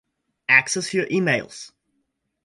Access your emails